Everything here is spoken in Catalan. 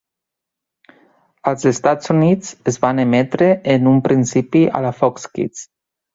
Als Estats Units, es va emetre en un principi a la Fox Kids.